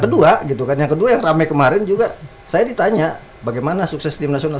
kedua gitu kan yang kedua yang ramai kemarin juga saya ditanya bagaimana sukses tim nasional